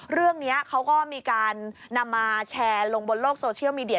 เรื่องนี้เขาก็มีการนำมาแชร์ลงบนโลกโซเชียลมีเดีย